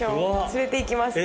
連れていきます。